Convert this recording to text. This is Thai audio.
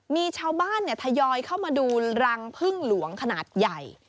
มีชาวบ้านทยอยเข้ามาดูรังพึ่งหลวงขนาดใหญ่